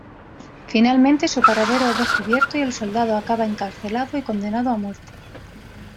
Finalmente, su paradero es descubierto y el soldado acaba encarcelado y condenado a muerte.